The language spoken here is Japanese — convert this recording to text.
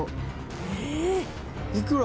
いくら？